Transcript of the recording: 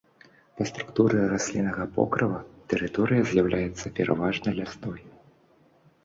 Па структуры расліннага покрыва тэрыторыя з'яўляецца пераважна лясной.